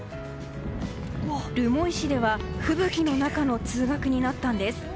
留萌市では吹雪の中の通学になったんです。